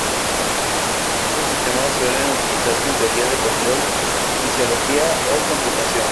Estos sistemas suelen utilizarse en teoría de control, fisiología o computación.